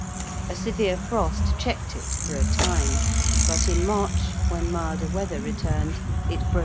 A severe frost checked it for a time. But in March, when milder weather returned, it broke out again.